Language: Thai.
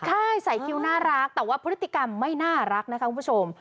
ใช่ใส่คิวน่ารักแต่ว่าพฤติกรรมไม่น่ารักนะคะคุณผู้ชม